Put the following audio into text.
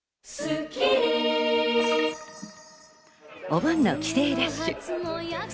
お盆の帰省ラッシュ。